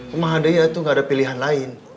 pemahadeh itu nggak ada pilihan lain